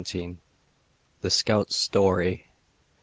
THE SCOUT'S STORY.